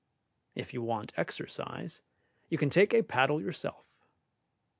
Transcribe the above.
If you want exercise, you can take a paddle yourself.